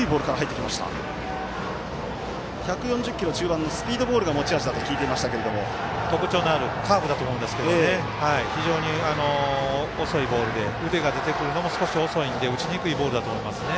１４０キロ中盤のスピードボールが特徴のあるカーブだと思いますけど非常に遅いボールで腕が出てくるのも少し遅いので打ちにくいところはあると思います。